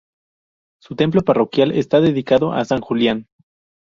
Su templo parroquial está dedicado a San Julián.